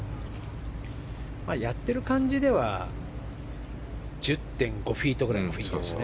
やっている感じでは１０．５フィートくらいですね。